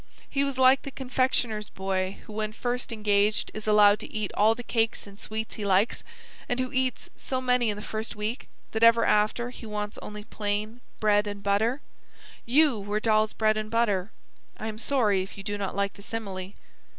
He was like the confectioner's boy who when first engaged is allowed to eat all the cakes and sweets he likes, and who eats so many in the first week, that ever after he wants only plain bread and butter. YOU were Dal's bread and butter. I am sorry if you do not like the simile."